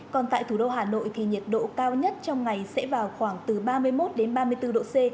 còn tại thủ đô hà nội thì nhiệt độ cao nhất trong ngày sẽ vào khoảng từ ba mươi một đến ba mươi bốn độ c